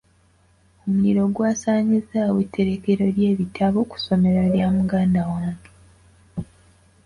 Omuliro gw’asaanyizaawo etterekero ly’ebitabo ku ssomero lya muganda wange.